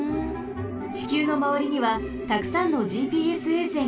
ちきゅうのまわりにはたくさんのＧＰＳ衛星があります。